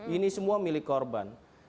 ini semua milik korban